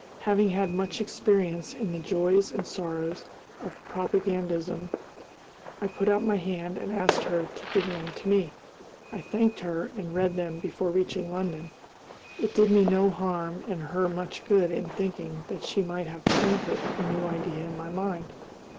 Having had much experience in the joys and sorrows of propagandism, I put out my hand and asked her to give them to me. I thanked her and read them before reaching London. It did me no harm and her much good in thinking that she might have planted a new idea in my mind.